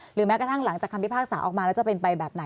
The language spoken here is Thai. แม้กระทั่งหลังจากคำพิพากษาออกมาแล้วจะเป็นไปแบบไหน